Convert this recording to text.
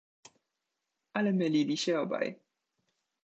Ale mylili się obaj.